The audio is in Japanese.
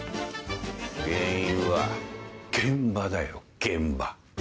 原因は現場だよ現場。